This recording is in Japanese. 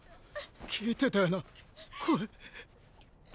聞いてたよな声。